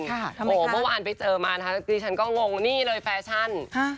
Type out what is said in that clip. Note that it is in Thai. ค่ะทำไมคะโอ้เมื่อวานไปเจอมานะคะดิฉันก็งงนี่เลยแฟชั่น